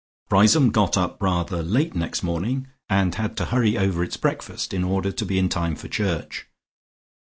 Riseholme got up rather late next morning, and had to hurry over its breakfast in order to be in time for church.